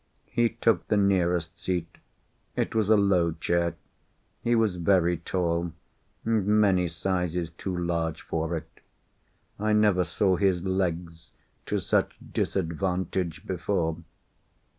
He took the nearest seat. It was a low chair. He was very tall, and many sizes too large for it. I never saw his legs to such disadvantage before.